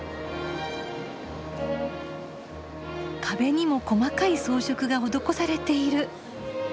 壁にも細かい装飾が施されている。